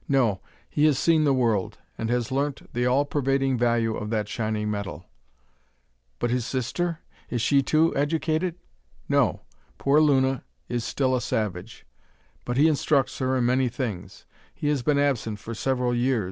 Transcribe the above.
No; he has seen the world, and has learnt the all pervading value of that shining metal." "But his sister? is she, too, educated?" "No. Poor Luna is still a savage; but he instructs her in many things. He has been absent for several years.